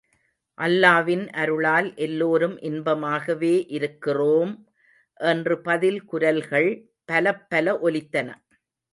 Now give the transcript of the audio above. அல்லாவின் அருளால் எல்லோரும் இன்பமாகவே இருக்கிறோம்! என்று பதில் குரல்கள் பலப்பல ஒலித்தன.